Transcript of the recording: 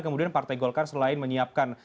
kemudian partai golkar selain menyiapkan